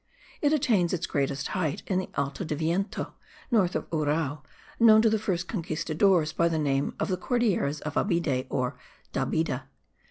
It attains its greatest height in the Alto del Viento, north of Urrao, known to the first conquistadores by the name of the Cordilleras of Abide or Dabeida.